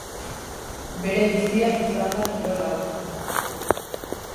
Bere bizia izan da kirol hau.